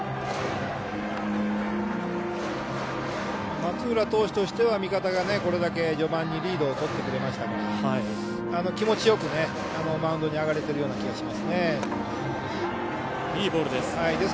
松浦投手としては味方がこれだけ序盤にリードをとってくれましたから気持ちよくマウンドに上がれているような気がします。